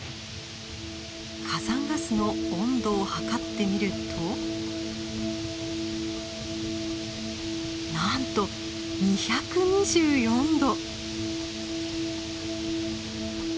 火山ガスの温度を測ってみるとなんと２２４度。